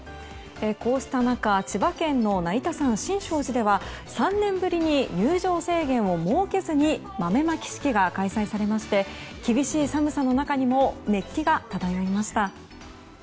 こうした中千葉県の成田山新勝寺では３年ぶりに入場制限を設けずに豆まき式が開催されまして厳しい寒さの中にも熱気が漂いました。